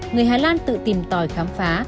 người hà lan tự tìm tòi khám phá